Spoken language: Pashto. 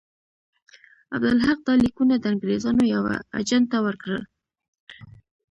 عبدالحق دا لیکونه د انګرېزانو یوه اجنټ ته ورکړل.